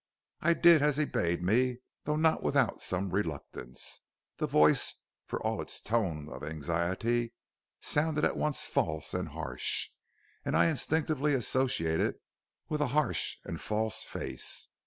"I did as he bade me, though not without some reluctance. The voice, for all its tone of anxiety, sounded at once false and harsh, and I instinctively associated with it a harsh and false face.